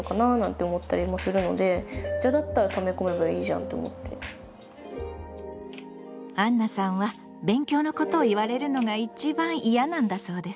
あんなさんは勉強のことを言われるのが一番嫌なんだそうです。